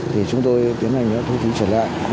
thì chúng tôi tiến hành thu phí trở lại